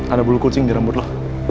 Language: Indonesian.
ada bulu kucing di rambut lo